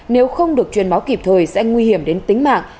nếu không được truyền máu kịp thời sẽ nguy hiểm đến tính mạng